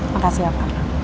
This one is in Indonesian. makasih ya papa